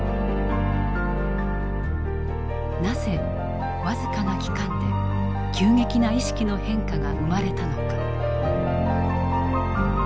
なぜ僅かな期間で急激な意識の変化が生まれたのか。